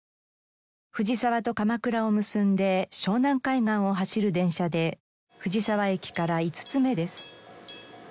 藤沢と鎌倉を結んで湘南海岸を走る電車で藤沢駅から５つ目です。